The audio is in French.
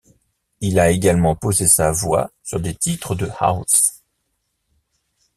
Il a également posé sa voix sur des titres de house.